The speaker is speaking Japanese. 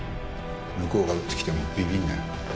向こうが打ってきてもビビんなよ。